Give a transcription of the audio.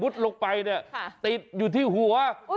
ติดอยู่ที่หัว